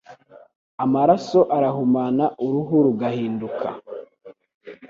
Amaraso arahumana, uruhu rugahinduka